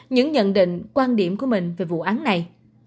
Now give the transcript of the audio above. những nhận định quan điểm của mình về vụ án này